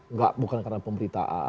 enggak bukan karena pemberitaan